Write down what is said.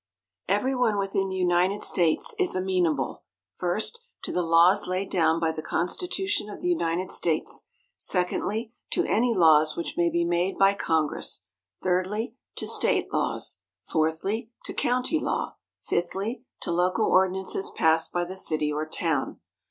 = Every one within the United States is amenable: first, to the laws laid down by the Constitution of the United States; secondly, to any laws which may be made by Congress; thirdly, to State laws; fourthly, to county law; fifthly, to local ordinances passed by the city or town.